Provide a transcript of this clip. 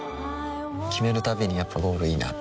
決めるたびにやっぱゴールいいなってふん